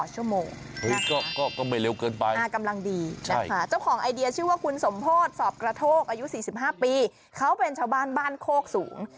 เจ้าของไอเดียชื่อว่าคุณสมพจน์สอบกระโทษอายุ๔๕ปีเขาเป็นชาวบ้านบ้านโคกสูง